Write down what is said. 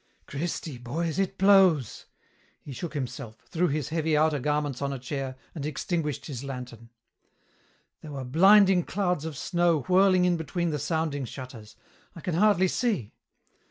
"Cristi, boys, it blows!" He shook himself, threw his heavy outer garments on a chair, and extinguished his lantern. "There were blinding clouds of snow whirling in between the sounding shutters. I can hardly see.